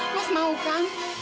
mas mau kan